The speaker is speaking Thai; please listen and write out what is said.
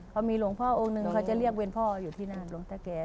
เขามีหลวงพ่อองค์หนึ่งเขาจะเรียกเวรพ่ออยู่ที่นั่นหลวงตะแก่